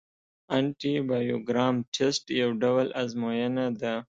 انټي بایوګرام ټسټ یو ډول ازموینه ده.